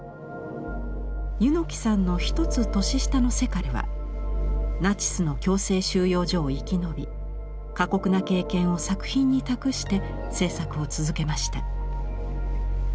柚木さんの１つ年下のセカルはナチスの強制収容所を生き延び過酷な経験を作品に託して制作を続けました。